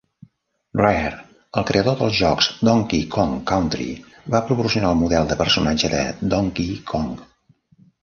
Rare, el creador dels jocs "Donkey Kong Country", va proporcionar el model de personatge de Donkey Kong.